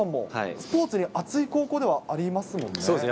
スポーツに熱い高校ではありますもんね。